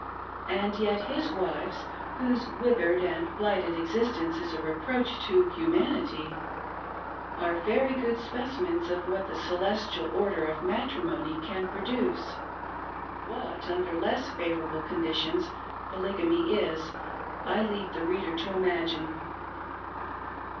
And yet his wives, whose withered and blighted existence is a reproach to humanity, are very good specimens of what the Celestial Order of Matrimony can produce. What, under less favorable conditions, Polygamy is, I leave the reader to imagine.